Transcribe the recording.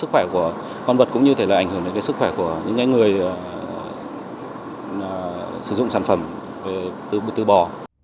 sức khỏe của con vật cũng như thể là ảnh hưởng đến sức khỏe của những người sử dụng sản phẩm từ bò